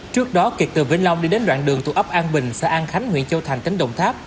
trước đó kiệt từ vĩnh long đi đến đoạn đường thuộc ấp an bình xã an khánh huyện châu thành tỉnh đồng tháp